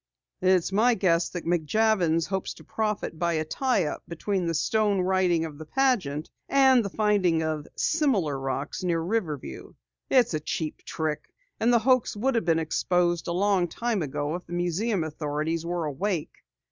"It's my guess that McJavins hopes to profit by a tie up between the stone writing of the pageant and the finding of similar rocks near Riverview. It's a cheap trick, and the hoax would have been exposed a long time ago if museum authorities were awake!"